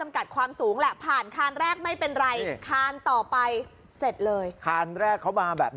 กัดความสูงแหละผ่านคานแรกไม่เป็นไรคานต่อไปเสร็จเลยคานแรกเขามาแบบ